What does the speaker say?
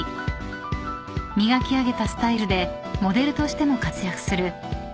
［磨き上げたスタイルでモデルとしても活躍する彼女の］